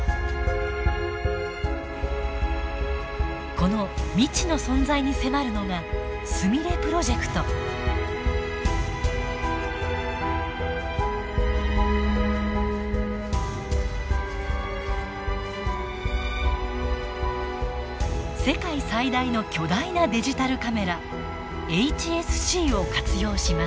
この未知の存在に迫るのが世界最大の巨大なデジタルカメラＨＳＣを活用します。